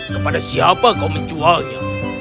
kepada siapa kau menjualnya